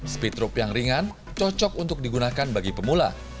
speed rope yang ringan cocok untuk digunakan bagi pemula